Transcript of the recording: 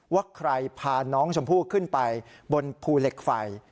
ว่าใครพาน้องชมพู่ขึ้นไปบนภูเหล็กไฟ